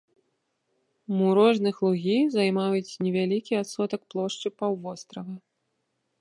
Мурожных лугі займаюць невялікі адсотак плошчы паўвострава.